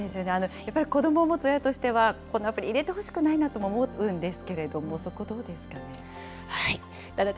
やっぱり子どもを持つ親としては、このアプリ、入れてほしくないなとも思ってるんですけれども、そこ、どうですかね。